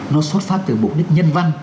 nó xoát phát từ mục đích nhân văn